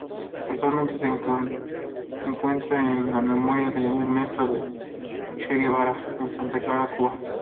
Actualmente se encuentran en el Memorial a Ernesto Che Guevara, en Santa Clara, Cuba.